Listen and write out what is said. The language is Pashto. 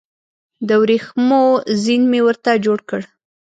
د وریښمو زین مې ورته جوړ کړ